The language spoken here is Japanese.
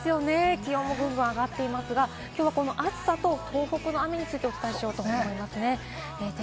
気温もぐんぐん上がっていますが、きょうはこの暑さと雨についてお伝えしようと思います。